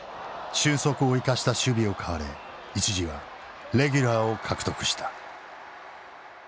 俊足を生かした守備を買われ一時はレギュラーを獲得した。